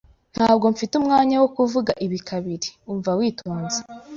Ntabwo mfite umwanya wo kuvuga ibi kabiri, umva witonze.